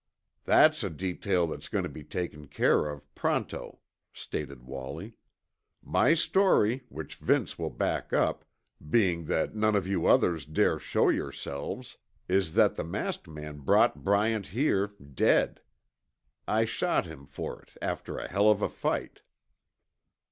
"That's a detail that's goin' to be taken care of pronto," stated Wallie. "My story, which Vince will back up, being that none of you others dare show yourselves, is that the masked man brought Bryant here, dead. I shot him for it after a hell of a fight."